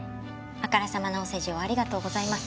あからさまなお世辞をありがとうございます。